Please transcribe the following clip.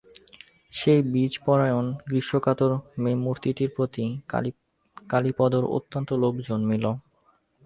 সেই বীজনপরায়ণ গ্রীষ্মকাতর মেমমূর্তিটির প্রতি কালীপদর অত্যন্ত লোভ জন্মিল।